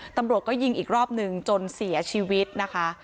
ตำรวจก็ยิงอีกรอบหนึ่งจนเสียชีวิตนะคะ